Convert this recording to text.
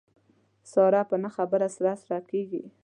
ساره په نه خبره سره سره کېږي.